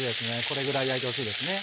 これぐらい焼いてほしいですね。